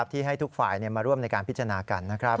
ที่ให้ทุกฝ่ายมาร่วมในการพิจารณากันนะครับ